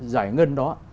giải ngân đó